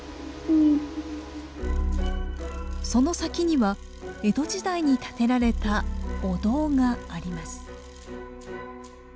その先には江戸時代に建てられたお堂があります。